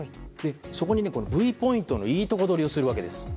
そこにＶポイントのいいとこどりをするわけです。